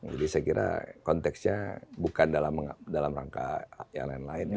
jadi saya kira konteksnya bukan dalam rangka yang lain lain ya